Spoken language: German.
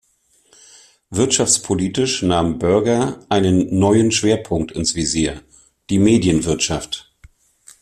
Wirtschaftspolitisch nahm Burger einen neuen Schwerpunkt ins Visier: die Medienwirtschaft.